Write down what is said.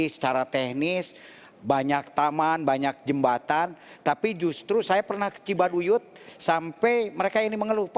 secara teknis banyak taman banyak jembatan tapi justru saya pernah ke cibaduyut sampai mereka ini mengeluh